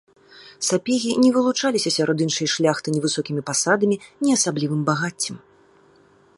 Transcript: Сапегі не вылучаліся сярод іншай шляхты ні высокімі пасадамі, ні асаблівым багаццем.